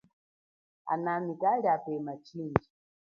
Anami kali apema chindji.